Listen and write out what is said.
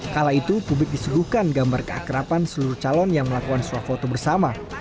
kala itu publik disuguhkan gambar keakrapan seluruh calon yang melakukan suah foto bersama